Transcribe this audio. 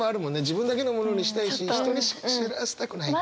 自分だけのものにしたいし人に知らせたくない。